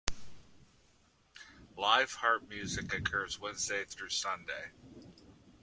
Live harp music occurs Wednesday through Sunday.